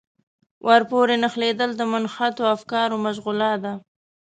ورپورې نښلېدل د منحطو افکارو مشغولا ده.